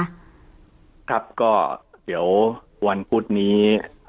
ยังไงบ้างครับก็เดี๋ยววันพุธนี้